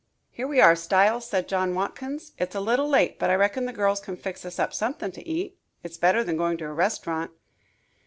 "Here we are, Styles," said John Watkins. "It's a little late, but I reckon the girls can fix us up something to eat. It's better than going to a restaurant."